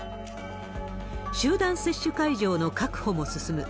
集団接種会場の確保も進む。